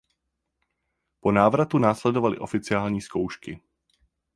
Po návratu následovaly oficiální zkoušky.